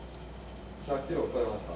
１００キロ超えました。